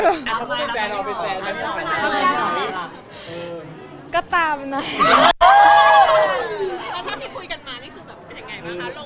เพราะถ้าพี่คุยกันมั้ยนี่คือเป็นไงบ้างคะ